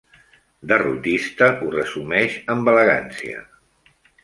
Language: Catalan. "Derrotista" ho resumeix amb elegància.